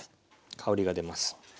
香りが出ます。